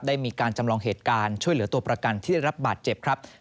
ได้มีการจำลองเหตุการณ์ช่วยเหลือตัวประกันที่ได้รับบาดเจ็บครับ